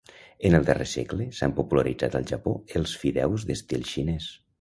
En el darrer segle s'han popularitzat al Japó els fideus d'estil xinès.